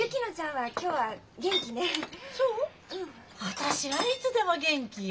私はいつでも元気よ。